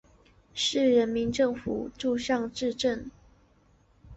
市人民政府驻尚志镇。